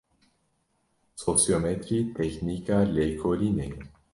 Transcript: Sosyometrî teknîka lêkolînê ye.